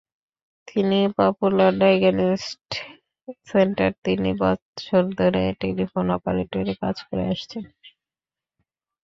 তিনি Popular Diagnostic সেন্টারে তিন বছর ধরে টেলিফোন অপারেটরের কাজ করে আসছেন।